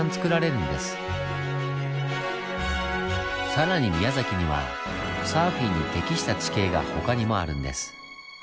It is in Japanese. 更に宮崎にはサーフィンに適した地形が他にもあるんです。